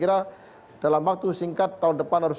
kira dalam waktu singkat tahun depan harus